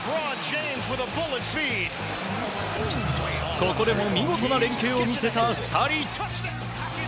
ここでも見事な連係を見せた２人。